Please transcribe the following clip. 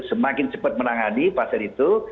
semakin cepat menangani pasien itu